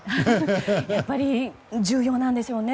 やっぱり重要なんですね。